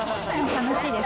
楽しいです。